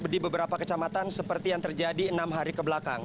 di beberapa kecamatan seperti yang terjadi enam hari kebelakang